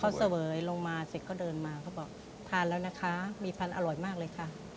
เขาเสวยลงมาเสร็จก็เดินมาเขาบอกทานแล้วนะคะมีพันธุ์อร่อยมากเลยค่ะ